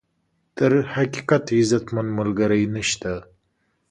تر حقیقت، عزتمن ملګری نشته.